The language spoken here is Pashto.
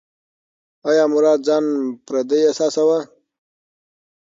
ایا مراد ځان پردی احساساوه؟